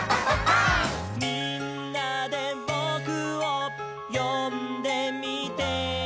「みんなでぼくをよんでみて」